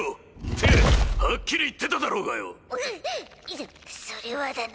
そそれはだな。